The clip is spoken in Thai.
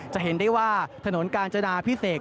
จะเห็นได้ว่าถนนกาญจนาพิเศษ